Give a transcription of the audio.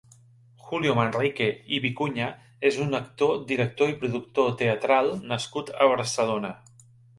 Julio Manrique i Vicuña és un actor, director i productor teatral nascut a Barcelona.